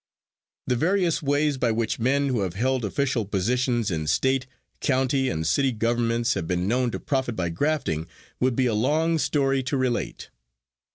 The various ways by which men who have held official positions in state, county and city governments have been known to profit by grafting would be a long story to relate.